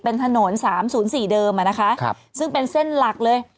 เป็นถนน๓๐๔เดิมอะนะคะซึ่งเป็นเส้นหลักเลย